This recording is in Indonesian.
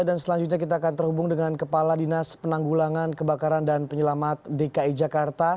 dan selanjutnya kita akan terhubung dengan kepala dinas penanggulangan kebakaran dan penyelamat dki jakarta